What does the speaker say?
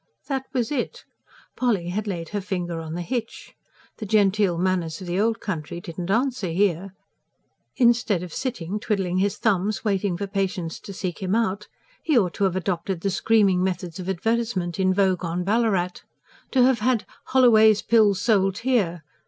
That was it! Polly had laid her finger on the hitch. The genteel manners of the old country did not answer here; instead of sitting twiddling his thumbs, waiting for patients to seek him out, he ought to have adopted the screaming methods of advertisement in vogue on Ballarat. To have had "Holloway's Pills sold here!"